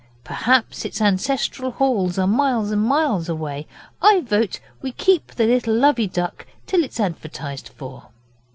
Perhaps its ancestral halls are miles and miles away. I vote we keep the little Lovey Duck till it's advertised for.